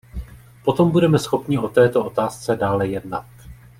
Potom budeme schopni o této otázce dále jednat.